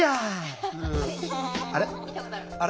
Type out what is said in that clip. あれ？